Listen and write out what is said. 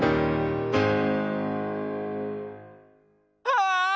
ああ！